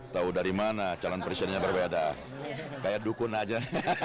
tahu dari mana calon presidennya berbeda kayak dukun aja